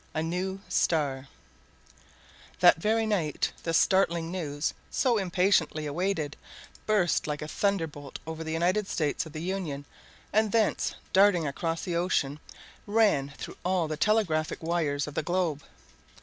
A NEW STAR That very night, the startling news so impatiently awaited, burst like a thunderbolt over the United States of the Union, and thence, darting across the ocean, ran through all the telegraphic wires of the globe.